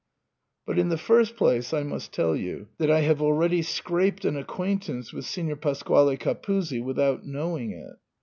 But in the first place I must tell you that I have already scraped an acquaintance with Signor Pasquale Capuzzi without knowing it.